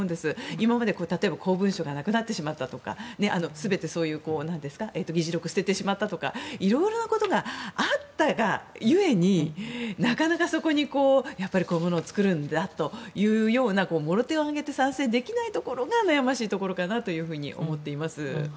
今まで、例えば公文書がなくなってしまったとか全てそういう議事録を捨ててしまったとかいろいろなことがあったがゆえになかなか、そこにこういうものを作るんだというもろ手を挙げて賛成できないところが悩ましいところかなと思っています。